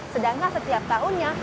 sedangkan setiap tahunnya